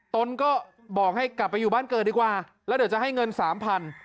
ตนก็บอกให้กลับไปอยู่บ้านเกิดดีกว่าแล้วเดี๋ยวจะให้เงินสามพัน